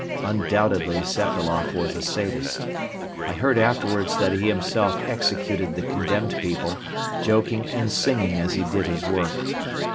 Undoubtedly Sepailoff was a sadist. I heard afterwards that he himself executed the condemned people, joking and singing as he did his work.